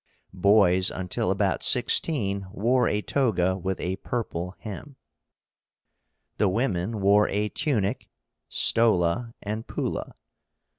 Boys, until about sixteen, wore a toga with a purple hem. The women wore a TUNIC, STOLA, and PULLA.